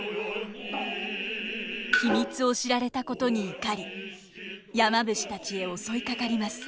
秘密を知られたことに怒り山伏たちへ襲いかかります。